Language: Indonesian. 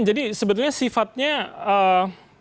jadi sebetulnya sifatnya memasangkan dengan